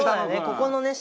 ここのね